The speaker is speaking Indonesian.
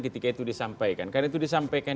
ketika itu disampaikan karena itu disampaikan